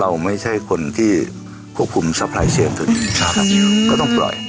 ก็มีคนอยากได้ด้วย